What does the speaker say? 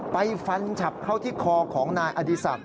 ไปฟันฉับเข้าที่คอของนายอดีศักดิ